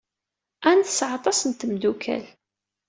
Ann tesɛa aṭas n tmeddukal.